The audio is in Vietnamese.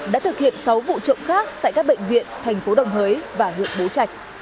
đã thực hiện sáu vụ trộm khác tại các bệnh viện tp đồng hới và huyện bố trạch